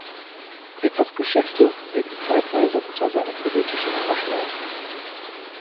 Wetters Geschäfte litten zeitweise unter seinem politischen Engagement.